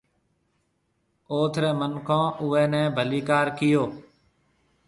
اوٿ رَي مِنکون اُوئي نَي ڀليڪار ڪئيو۔